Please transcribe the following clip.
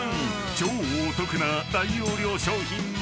［超お得な大容量商品まで］